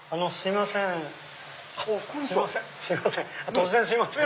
突然すいません。